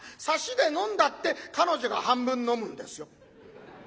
サシで飲んだって彼女が半分飲むんですよ？